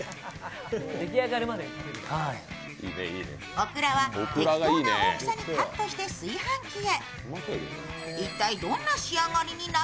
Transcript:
オクラは適当な大きさにカットして炊飯器へ。